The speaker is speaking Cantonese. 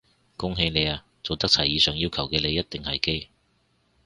恭喜你啊，做得齊以上要求嘅你一定係基！